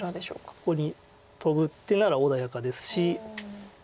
ここにトブっていうなら穏やかですし。